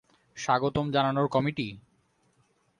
স্বাগতম জানানোর কমিটি?